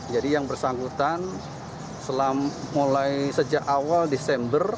jadi yang bersangkutan mulai sejak awal desember